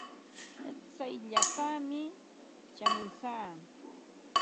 Tsayllapaami shamurqaa.